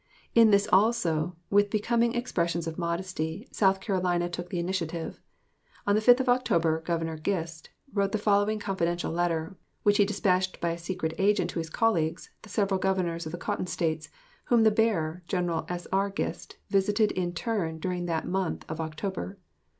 In this also, with becoming expressions of modesty, South Carolina took the initiative. On the 5th of October, Governor Gist wrote the following confidential letter, which he dispatched by a secret agent to his colleagues, the several Governors of the Cotton States, whom the bearer, General S.R. Gist, visited in turn during that month of October.